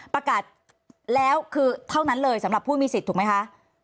ประกาศแล้วคือเท่านั้นเลยสำหรับผู้มีสิทธิ์ถูกไหมคะ